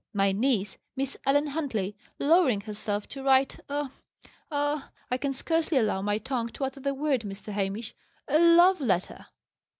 My niece, Miss Ellen Huntley, lowering herself to write a a I can scarcely allow my tongue to utter the word, Mr. Hamish a love letter!"